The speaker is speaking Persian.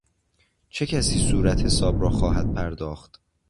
چه کسی صورتحساب را خواهد پرداخت؟